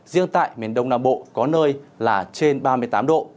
riêng tại miền đông nam bộ có nơi là trên ba mươi tám độ